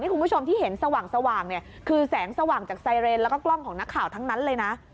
คุณผู้ชมที่เห็นสว่างเนี่ยคือแสงสว่างจากไซเรนแล้วก็กล้องของนักข่าวทั้งนั้นเลยนะ